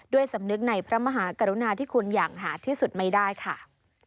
สำนึกในพระมหากรุณาที่คุณอย่างหาดที่สุดไม่ได้ค่ะ